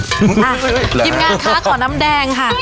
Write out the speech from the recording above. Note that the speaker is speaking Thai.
กินงานค้าขอน้ำแดงค่ะ